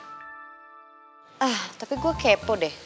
ah tapi gue kepo deh